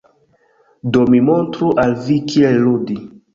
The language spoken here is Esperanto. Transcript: Do mi montru al vi kiel ludi.